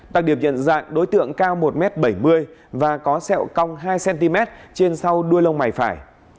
đặc điểm nhận dạng đối tượng cao một m bảy mươi và có sẹo cong hai cm trên sau đuôi lông mày phải